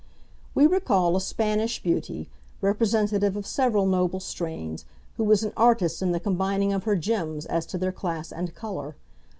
We recall a Spanish beauty, representative of several noble strains, who was an artist in the combining of her gems as to their class and colour.